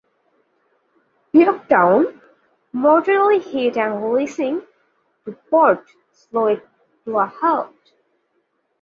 "Yorktown", mortally hit and listing to port, slowed to a halt.